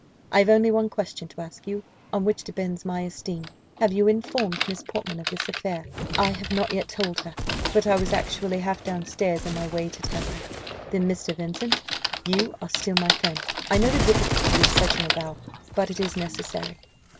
I have only one question to ask you, on which depends my esteem have you informed Miss Portman of this affair?" "I have not yet told her, but I was actually half down stairs in my way to tell her." "Then, Mr. Vincent, you are still my friend. I know the difficulty of such an avowal but it is necessary."